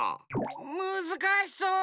むずかしそう。